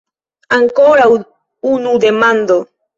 Ankoraŭ unu demando!